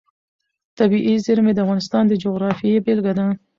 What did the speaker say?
طبیعي زیرمې د افغانستان د جغرافیې بېلګه ده.